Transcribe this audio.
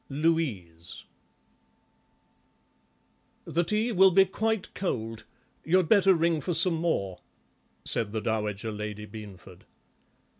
LOUISE "The tea will be quite cold, you'd better ring for some more," said the Dowager Lady Beanford.